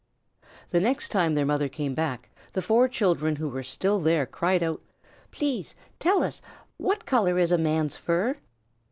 The next time their mother came back, the four children who were still there cried out, "Please tell us, what color is a man's fur?"